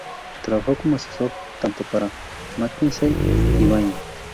Trabajó como asesor tanto para McKinsey y Bain.